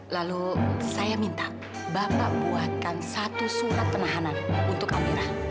lalu saya minta bapak buatkan satu surat penahanan untuk amirah